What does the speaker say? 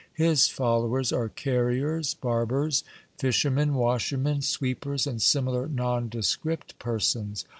His followers are carriers, barbers, fishermen, washer men, sweepers, and similar nondescript persons.